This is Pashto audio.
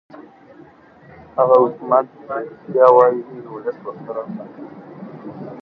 هغه حکومت چې رښتیا وايي ولس ورسره پاتې کېږي